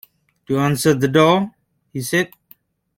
‘To answer the door?’ he said.